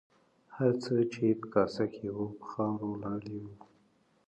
هر څه چې په کاسه کې وو په خاورو لړلي وو.